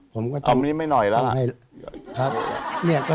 เอาอันนี้ไม่เหนื่อยทำให้